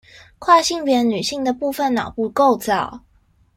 跨性別女性的部分腦部構造